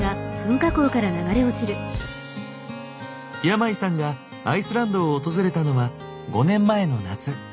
山井さんがアイスランドを訪れたのは５年前の夏。